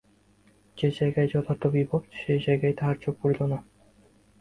যে জায়গায় যথার্থ বিপদ, সে জায়গায় তাহার চোখ পড়িল না।